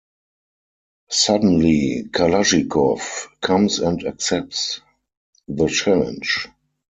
Suddenly, Kalashikov comes and accepts the challenge.